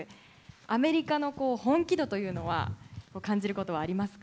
アメリカの本気度というのは、感じることはありますか。